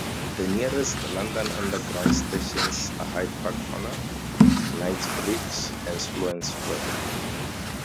The nearest London Underground stations are Hyde Park Corner, Knightsbridge and Sloane Square.